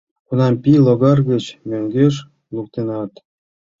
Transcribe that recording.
— Кунам пий логар гыч мӧҥгеш луктынат?